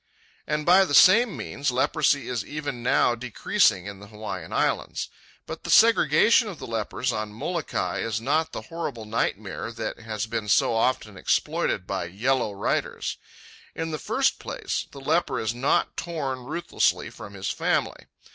And by the same means leprosy is even now decreasing in the Hawaiian Islands. But the segregation of the lepers on Molokai is not the horrible nightmare that has been so often exploited by yellow writers. In the first place, the leper is not torn ruthlessly from his family.